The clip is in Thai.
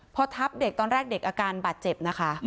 พอทับเด็กตอนแรกเด็กอาการบาดเจ็บนะคะ